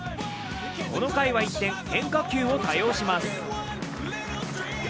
この回は一転、変化球を多用します。